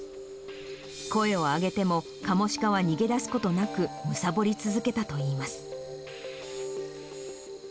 声を上げても、カモシカは逃げ出すことなくむさぼり続けたといいます。